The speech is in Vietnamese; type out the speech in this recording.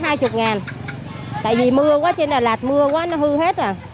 tại vì mưa quá trên đà lạt mưa quá nó hư hết rồi